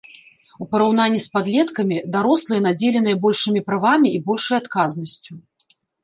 У параўнанні з падлеткамі, дарослыя надзеленыя большымі правамі і большай адказнасцю.